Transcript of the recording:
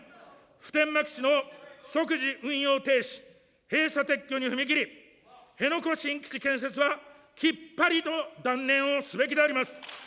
普天間基地の即時運用停止、閉鎖、撤去に踏み切り、辺野古新基地建設はきっぱりと断念をすべきであります。